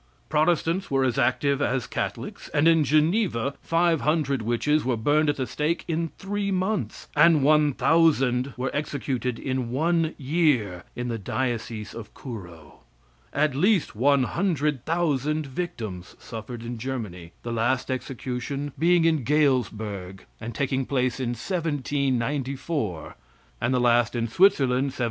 Protestants were as active as Catholics; and in Geneva five hundred witches were burned at the stake in three months, and one thousand were executed in one year in the diocese of Couro; at least one hundred thousand victims suffered in Germany, the last execution being in Galesburgh, and taking place in 1794, and the last in Switzerland, 1780.